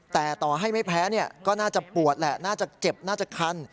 แต่ต่อให้ไม่แพ้ก็น่าจะปวดแหละน่าจะเจ็บน่าจะคัน